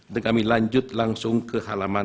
dan kami lanjut langsung ke halaman enam